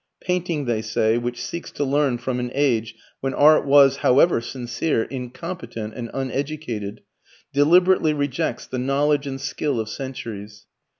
"Painting," they say, "which seeks to learn from an age when art was, however sincere, incompetent and uneducated, deliberately rejects the knowledge and skill of centuries."